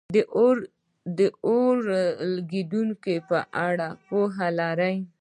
د اورېدونکو په اړه پوهه لرل